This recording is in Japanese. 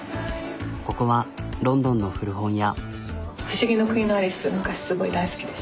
ここはロンドンの古本屋。